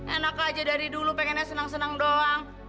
enak aja dari dulu pengennya senang senang doang